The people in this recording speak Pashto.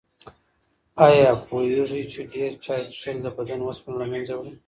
آیا پوهېږئ چې ډېر چای څښل د بدن اوسپنه له منځه وړي؟